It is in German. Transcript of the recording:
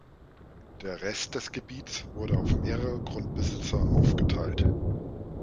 Der Rest des Gebiets wurde auf mehrere Grundbesitzer aufgeteilt.